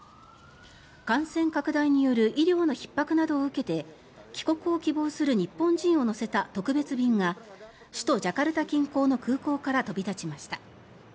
感染拡大による医療のひっ迫などを受けて帰国を希望する日本人を乗せた特別便が首都ジャカルタ近郊の空港から飛び立ちました。